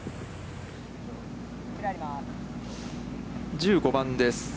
１５番です。